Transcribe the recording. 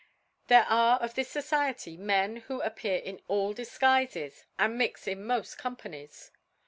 There are of this Society of Men who appear in all Difguifes, and mix in mod Companies.